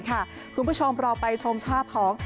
คุณผู้ชมรอไปชมทราบหอม